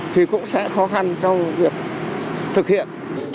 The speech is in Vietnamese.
thì cũng sẽ khó khăn trong việc thực hiện